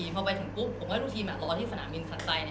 พอไปถึงกรุ๊ปผมก็ให้ทุกทีมารอที่ฝนามินถัดไซด์